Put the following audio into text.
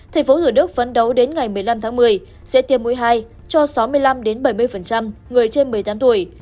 tp thủ đức phấn đấu đến ngày một mươi năm tháng một mươi sẽ tiêm mũi hai cho sáu mươi năm bảy mươi người trên một mươi tám tuổi